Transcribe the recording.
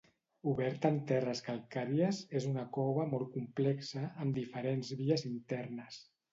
Oberta en terres calcàries, és una cova molt complexa, amb diferents vies internes.